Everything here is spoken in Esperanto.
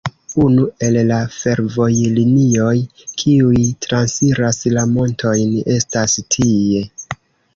Unu el la fervojlinioj, kiuj transiras la montojn, estas tie.